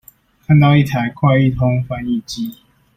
看到一台快譯通翻譯機